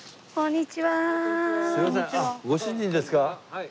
はい。